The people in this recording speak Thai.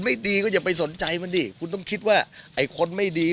ไม่ดีก็อย่าไปสนใจมันดิคุณต้องคิดว่าไอ้คนไม่ดี